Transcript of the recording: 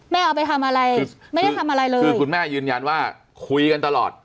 เอาไปทำอะไรไม่ได้ทำอะไรเลยคือคุณแม่ยืนยันว่าคุยกันตลอด